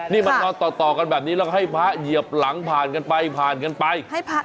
นี่มันต่อกันแบบนี้แล้วให้พระเยียบหลังผ่านกันไปไป